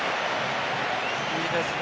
いいですね。